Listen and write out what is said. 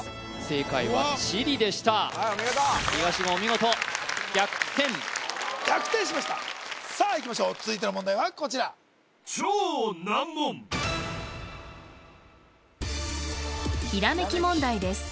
正解はチリでしたはいお見事東言お見事逆転逆転しましたさあいきましょう続いての問題はこちらひらめき問題です